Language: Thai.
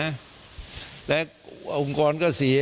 และองค์กรก็เสียสาครามสมรรถาทศรกษาป่าวสเซีย